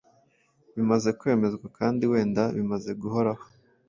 bimaze kwemezwa, kandi wenda bimaze guhoraho,